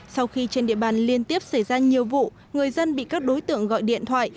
sau khi trên địa bàn liên tiếp xảy ra nhiều vụ người dân bị các đối tượng gọi điện thoại